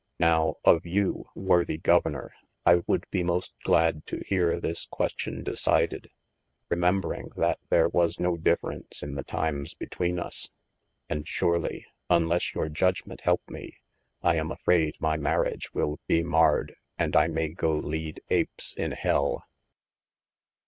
Now, of you worthy Governour I would be most glad to heare this question decided, remembring that there was no difference in the times betwene us. And surely, unles your judgment helpe me, I am afrayde my marryage will bee marred, and I may go lead Apes in hell.